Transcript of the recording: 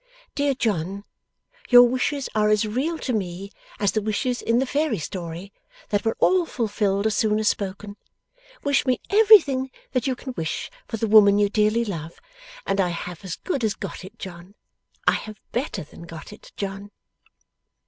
Dear John, your wishes are as real to me as the wishes in the Fairy story, that were all fulfilled as soon as spoken. Wish me everything that you can wish for the woman you dearly love, and I have as good as got it, John. I have better than got it, John!